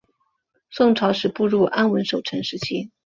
宋朝始步入安稳守成时期。